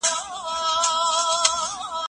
استاد باید د شاګرد علمي مخالفت ومني.